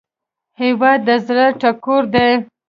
هیواد د زړه ټکور دی